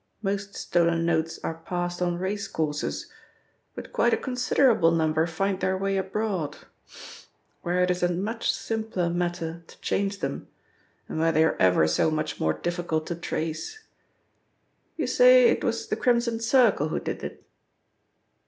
Most stolen notes are passed on race courses, but quite a considerable number find their way abroad, where it is a much simpler matter to change them, and where they are ever so much more difficult to trace. You say it was the Crimson Circle who did it?"